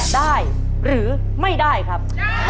ได้หรือไม่ได้ครับ